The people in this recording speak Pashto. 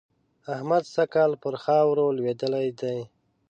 احمد سږ کال پر خاورو لوېدلی دی.